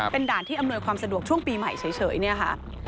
เป็นด่านที่อำนวยความสะดวกช่วงปีใหม่เฉยเนี่ยค่ะ